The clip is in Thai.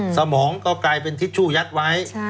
สมองก็กลายเป็นทิชชู่ยัดไว้